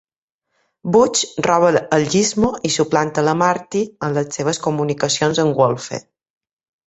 Butch roba el Gizmo i suplanta la Marty en les seves comunicacions amb Wolfe.